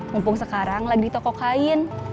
mumpung sekarang lagi di toko kain